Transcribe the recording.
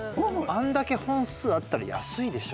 あんだけ本数あったら安いでしょ。